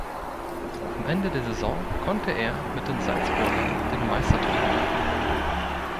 Am Ende der Saison konnte er mit den Salzburgern den Meistertitel feiern.